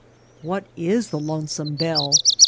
"What is the Lonesome Bell?"